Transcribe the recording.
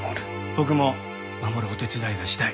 僕も守るお手伝いがしたい。